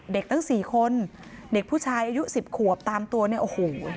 ตั้งสี่คนเด็กผู้ชายอายุ๑๐ขวบตามตัวเนี่ยโอ้โห